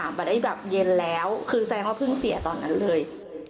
มาได้แบบเย็นแล้วคือแสดงว่าเพิ่งเสียตอนนั้นเลย